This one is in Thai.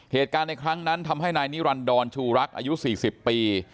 เหตุการณ์ในครั้งนั้นทำให้นายนิรันดรชูรักอายุ๔๐ปี